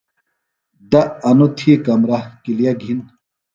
دہ انوۡ تھی کمرہ ۔کِلیہ گھِن۔